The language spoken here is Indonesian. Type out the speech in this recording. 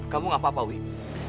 kamu gak apa apa wib